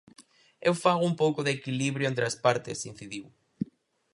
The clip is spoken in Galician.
Eu fago un pouco de equilibrio entre as partes, incidiu.